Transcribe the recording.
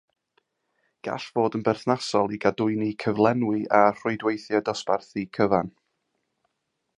Gall fod yn berthnasol i gadwyni cyflenwi a rhwydweithiau dosbarthu cyfan.